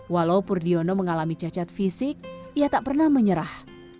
walau pur diono mengalami cacat fisik ia tak pernah menyerah